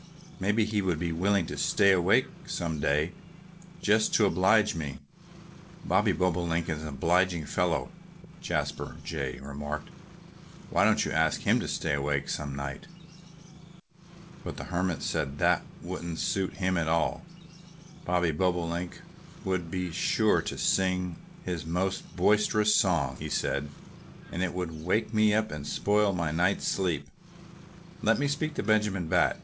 Maybe he would be willing to stay awake some day, just to oblige me." "Bobby Bobolink is an obliging fellow," Jasper Jay remarked. "Why don't you ask him to stay awake some night?" But the Hermit said that that wouldn't suit him at all. "The Bobolink person would be sure to sing his most boisterous song," he said, "and it would wake me up and spoil my night's sleep. Let me speak to Benjamin Bat!"